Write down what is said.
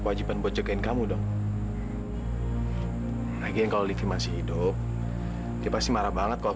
sampai jumpa di video selanjutnya